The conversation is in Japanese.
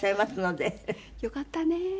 よかった。